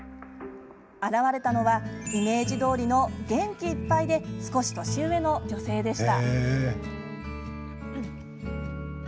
現れたのはイメージどおりの元気いっぱいで少し年上の女性でした。